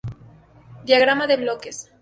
Diagrama de bloques